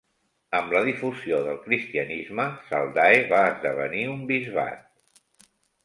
Amb la difusió del cristianisme, Saldae va esdevenir un bisbat.